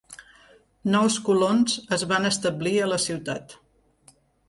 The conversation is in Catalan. Nous colons es van establir a la ciutat.